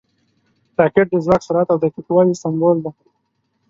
راکټ د ځواک، سرعت او دقیق والي سمبول دی